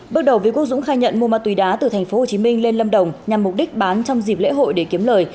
bước đầu v quốc dũng khai nhận mua ma túy đá từ thành phố hồ chí minh lên lâm đồng nhằm mục đích bán trong dịp lễ hội để kiếm lời